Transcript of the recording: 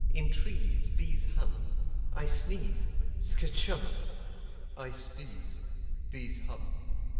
In trees Bees hum I sneeze Skatch Humb!! I sdeeze. Bees hub.